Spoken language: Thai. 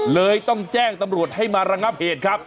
เลยต้องแจ้งตำรวจให้มาระงับเหตุครับ